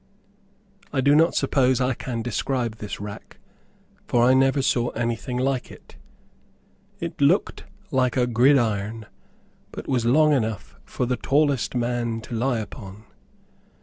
I do not suppose I can describe this rack, for I never saw anything like it. It looked like a gridiron but was long enough for the tallest man to lie upon.